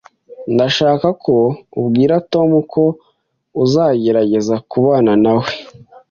Ndashaka ko ubwira Tom ko uzagerageza kubana nawe